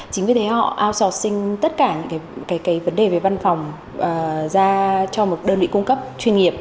chính vì thế họ aosor sinh tất cả những vấn đề về văn phòng ra cho một đơn vị cung cấp chuyên nghiệp